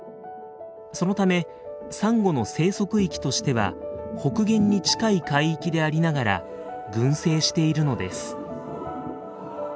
そのためサンゴの生息域としては北限に近い海域でありながら群生しているのです。